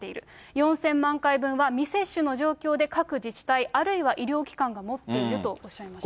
４０００万回分は未接種の状況で各自治体、あるいは医療機関が持っているとおっしゃいました。